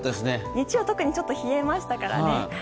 日曜は特にちょっと冷えましたからね。